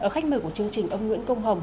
khách mời của chương trình ông nguyễn công hồng